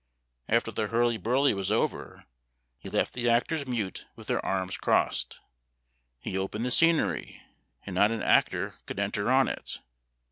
After the hurly burly was over, he left the actors mute with their arms crossed. He opened the scenery! and not an actor could enter on it!